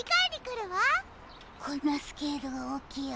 こんなスケールがおおきい